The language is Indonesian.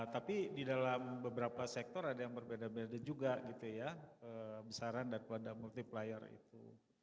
tapi di dalam beberapa sektor ada yang berbeda beda juga gitu ya besaran daripada multiplier itu